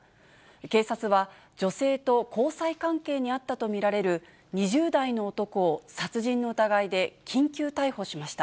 警察は、女性と交際関係にあったと見られる２０代の男を殺人の疑いで緊急逮捕しました。